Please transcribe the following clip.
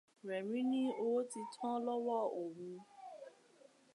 Rẹ̀mi ní owó ti tán lọ́wọ́ òhun.